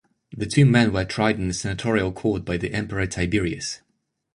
The two men were tried in a senatorial court by the Emperor Tiberius.